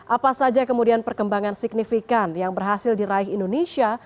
apa saja kemudian perkembangan signifikan yang berhasil diraih indonesia